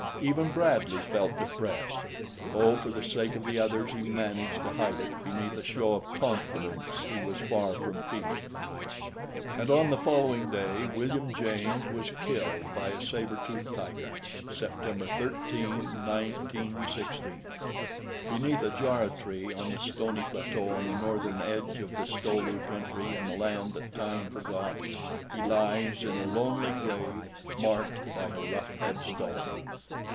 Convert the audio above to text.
Even Bradley felt depressed, though for the sake of the others he managed to hide it beneath a show of confidence he was far from feeling. And on the following day William James was killed by a saber tooth tiger September 13, 1916. Beneath a jarrah tree on the stony plateau on the northern edge of the Sto lu country in the land that Time forgot, he lies in a lonely grave marked by a rough headstone.